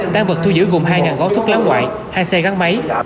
tăng vật thu giữ gồm hai gói thuốc lá ngoại hai xe gắn máy